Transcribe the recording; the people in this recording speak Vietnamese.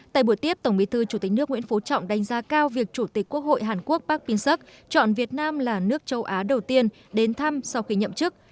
tại buổi tiếp tổng bí thư chủ tịch nước nguyễn phú trọng đánh giá cao việc chủ tịch quốc hội hàn quốc park ping suk chọn việt nam là nước châu á đầu tiên đến thăm sau khi nhậm chức